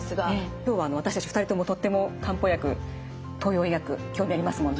今日は私たち２人ともとっても漢方薬東洋医学興味ありますもんね。